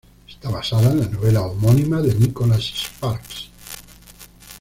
Está basada en la novela homónima de Nicholas Sparks.